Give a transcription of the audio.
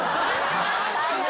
最悪。